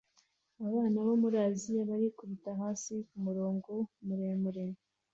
Abana bo muri Aziya barikubita hasi kumurongo muremure